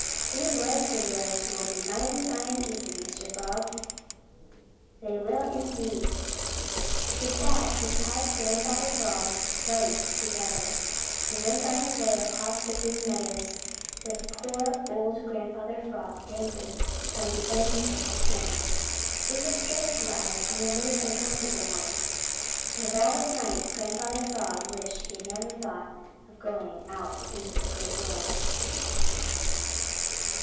These legs of yours will be mighty fine eating, Mr. Frog. They will, indeed." With that he tied Grandfather Frog's legs together and went on his way across the Green Meadows with poor old Grandfather Frog dangling from the end of a string. It was a strange ride and a most uncomfortable one, and with all his might Grandfather Frog wished he had never thought of going out into the Great World.